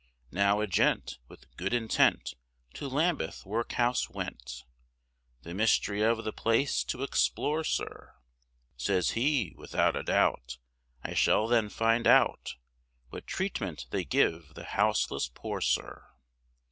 Now a gent, with good intent, to Lambeth workhouse went, The mystery of the place to explore, sir, Says he, without a doubt, I shall then find out, What treatment they give the houseless poor, sir.